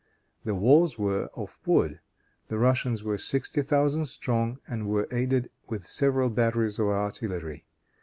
The walls were of wood. The Russians were sixty thousand strong, and were aided with several batteries of artillery.